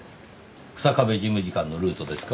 日下部事務次官のルートですか？